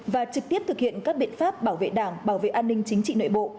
và trực tiếp thực hiện các biện pháp bảo vệ đảng bảo vệ an ninh chính trị nội bộ